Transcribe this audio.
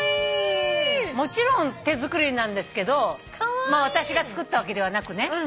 もちろん手作りなんですけど私が作ったわけではなくね。